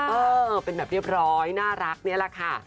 เออเป็นแบบเรียบร้อยน่ารักนี่แหละค่ะ